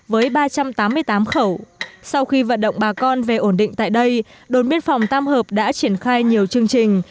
với ba trăm tám mươi tám khẩu sau khi vận động bà con về ổn định tại đây đồn biên phòng tam hợp đã triển khai nhiều chương trình